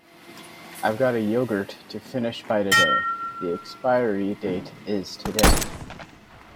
I've got a yoghurt to finish by today, the expiry date is today.